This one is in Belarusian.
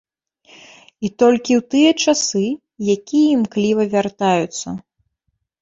І толькі ў тыя часы, якія імкліва вяртаюцца.